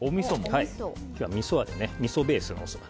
今日はみそベースのおそば。